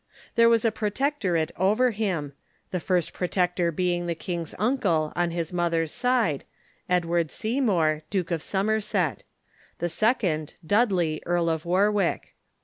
There was a protector ate over him, the first protector being the king's uncle on his mother's side, Edward Seymour, Duke of Somerset ; the sec ond, Dudley, Earl of AYarwick.